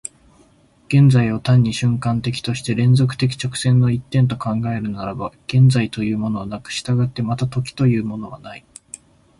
現在を単に瞬間的として連続的直線の一点と考えるならば、現在というものはなく、従ってまた時というものはない。